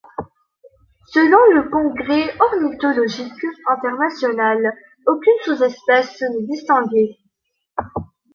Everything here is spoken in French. Selon le Congrès ornithologique international, aucune sous-espèce n'est distinguée.